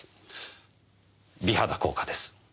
美肌効果です。